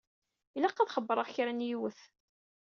Ilaq ad xebbṛeɣ kra n yiwet.